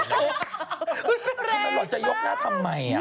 อุ๊ยแรงมากหล่อนจะยกหน้าทำไม